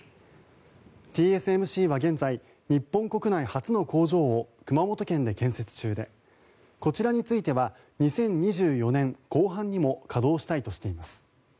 ＴＳＭＣは現在日本国内初の工場を熊本県で建設中でこちらについては２０２４年後半にも稼働したいとしています。